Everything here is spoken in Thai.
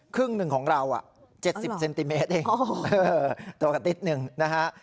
ครึ่งหนึ่งของเรา๗๐เซนติเมตรเองตัวกันนิดนึงนะฮะ